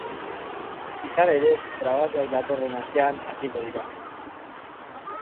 Izan ere, grabazioak datorren astean hasiko dira.